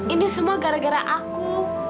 ini semua gara gara aku